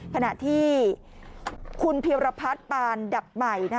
ขณะที่คุณพิรพัฒน์ปานดับใหม่